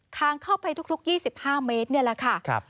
ทางเข้าไปทุก๒๕เมตรนี่แหละค่ะ